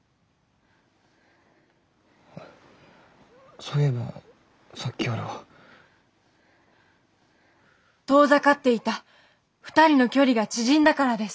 そういえばさっきよりは。遠ざかっていた２人の距離が縮んだからです。